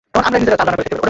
হামলাটা তার রোগ ফেরত এনেছে।